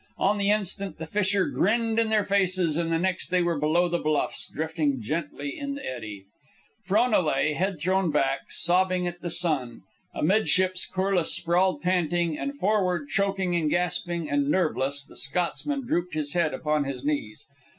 On the instant the fissure grinned in their faces, and the next they were below the bluffs, drifting gently in the eddy. Frona lay, head thrown back, sobbing at the sun; amidships Corliss sprawled panting; and forward, choking and gasping and nerveless, the Scotsman drooped his head upon his knees.